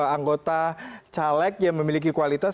anggota caleg yang memiliki kualitas